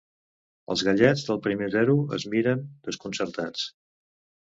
Els gallets del primer zero es miren, desconcertats.